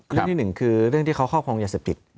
เรื่องที่หนึ่งคือเรื่องที่เขาครอบครองยาเสพติด